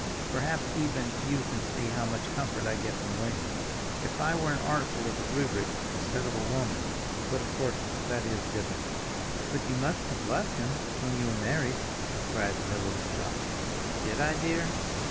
Perhaps even you can see how much comfort I get from William. If I were an article of the Rubric, instead of a woman—but of course, that is different." "But you must have loved him when you were married," cried Milly, shocked. "Did I, dear?